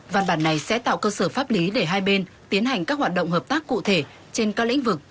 văn bản này sẽ tạo cơ sở pháp lý để hai bên tiến hành các hoạt động hợp tác cụ thể trên các lĩnh vực